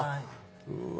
うわ！